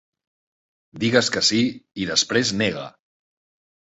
Digues que sí i després nega.